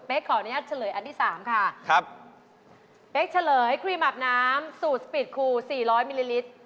เป๊กขออนุญาตเฉลยอันที่๓ค่ะเป๊กเฉลยครีมอาบน้ำสูตรสปิดครู๔๐๐มิลลิลิตร